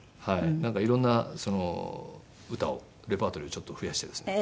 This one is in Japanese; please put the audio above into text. なんか色んな歌をレパートリーをちょっと増やしてですね